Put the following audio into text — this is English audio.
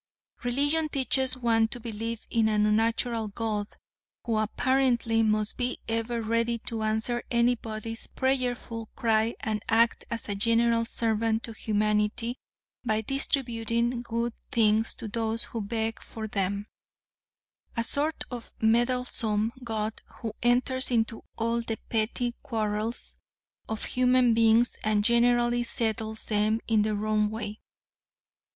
"Religion teaches one to believe in an unnatural god who apparently must be ever ready to answer anybody's prayerful cry and act as a general servant to humanity by distributing good things to those who beg for them; a sort of meddlesome god who enters into all the petty quarrels of hunan beings and generally settles them in the wrong way.